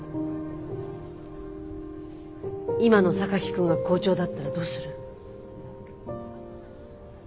今の榊君が校長だったらどうする？